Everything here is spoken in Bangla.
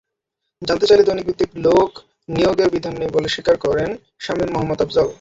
জানতে চাইলে দৈনিকভিত্তিক লোক নিয়োগের বিধান নেই বলে স্বীকার করেন সামীম মোহাম্মদ আফজাল।